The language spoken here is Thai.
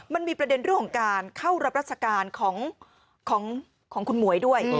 มันมีประเด็นเรื่องของการเข้ารับราชการของคุณหมวยด้วย